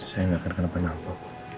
saya gak akan kena kenapa